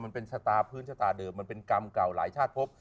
มันเป็นชะตาพื้นชะตาเดิมมันเป็นกรรมเก่าหลายชาติพบ